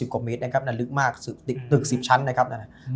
๑๐กว่าเมตรนะครับและลึกมากตึก๑๐ชั้นนะครับ